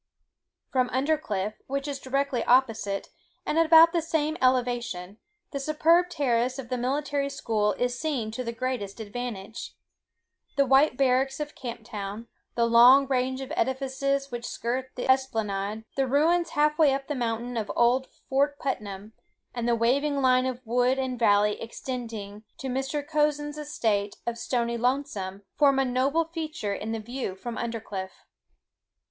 From Undercliff, which is directly opposite, and about at the same elevation, the superb terrace of the Military School is seen to the greatest advantage. The white barracks of Camptown, the long range of edifices which skirt the esplanade, the ruins half way up the mountain of old Fort Putnam, and the waving line of wood and valley extending to Mr. Cozzen's estate of "Stoney Lonesome," form a noble feature in the view from Undercliff.